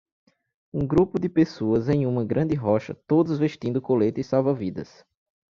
Um grupo de pessoas em uma grande rocha todos vestindo coletes salva-vidas.